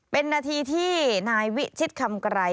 เป็นนาทีที่นายวิชิตคำไกร